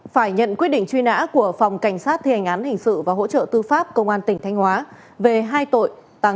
phải nhận quyết định truy nã của phòng cảnh sát thì hành án hình sự và hỗ trợ tư pháp công an tỉnh thanh hóa về hai tội